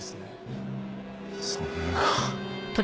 そんな。